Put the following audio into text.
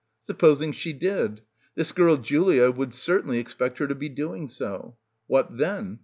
Supposing she did. This girl Julia would certainly expect her to be doing so. What then?